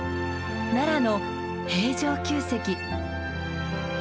奈良の平城宮跡。